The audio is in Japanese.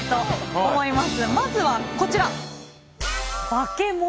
まずはこちら。